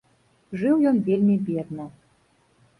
Жыў ён вельмі бедна.